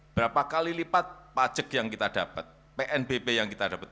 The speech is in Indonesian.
berapa kali lipat pajak yang kita dapat pnbp yang kita dapat